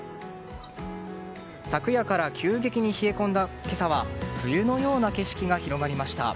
昨夜から急激に冷え込んだ今朝は冬のような景色が広がりました。